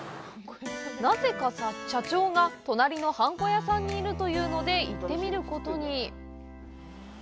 なぜか社長が隣のはんこ屋さんにいるというので行ってみることに。